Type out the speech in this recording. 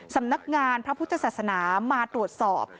สำนักงานพระพุทธศาสนามาตรวจสอบ